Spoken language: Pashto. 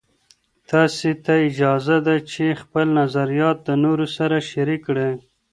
تاسې ته اجازه ده چې خپل نظریات د نورو سره شریک کړئ.